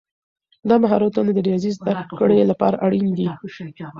دا مهارتونه د ریاضي زده کړې لپاره اړین دي.